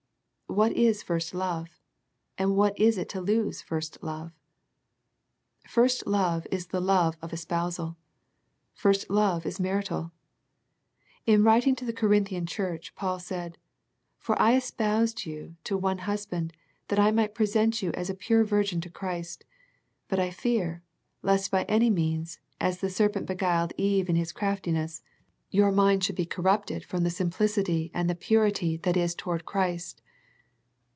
What is first love, and what is it to lose first love ? First love is the love of espousal. First love is marital. In writing to the Corinthian church, Paul said, " For I espoused you to one husband, that I might present you as a pure virgin to Christ. But I fear, lest by any means, as the serpent beguiled Eve in his craftiness, your minds should be corrupted The Ephesus Letter 41 from the simplicity and the purity that is to ward Christ."